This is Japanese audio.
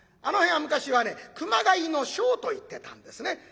あの辺は昔はね熊谷の庄と言ってたんですね。